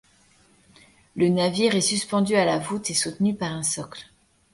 Le navire est suspendu à la voûte et soutenu par un socle.